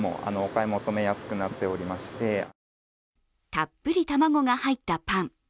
たっぷり卵が入ったパン。